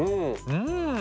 うん。